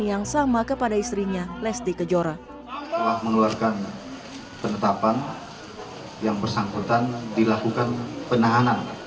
yang sama kepada istrinya lesti kejora telah mengeluarkan penetapan yang bersangkutan dilakukan penahanan